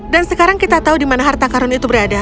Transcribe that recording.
dan sekarang kita tahu di mana harta karun itu berada